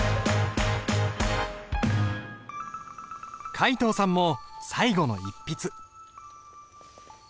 皆藤さんも最後の一筆。